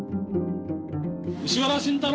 石原慎太郎